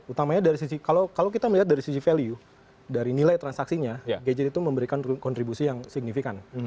utamanya dari sisi kalau kita melihat dari sisi value dari nilai transaksinya gadget itu memberikan kontribusi yang signifikan